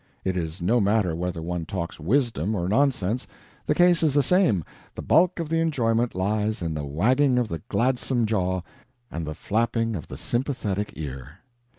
It is no matter whether one talks wisdom or nonsense, the case is the same, the bulk of the enjoyment lies in the wagging of the gladsome jaw and the flapping of the sympathetic ear.